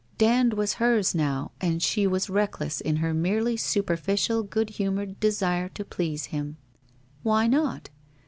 Dand was hers now, and she was reckless in her merely superficial good humoured desire to please him. Why not?